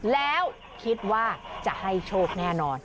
แล้วคิดว่าจะให้โชคแน่นอน